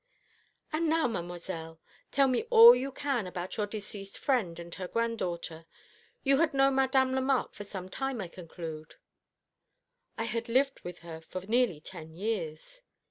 "And now, Mademoiselle, tell me all you can about your deceased friend and her granddaughter. You had known Madame Lemarque for some time, I conclude?" "I had lived with her for nearly ten years."